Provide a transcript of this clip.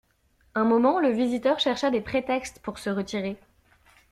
Un moment, le visiteur chercha des prétextes pour se retirer.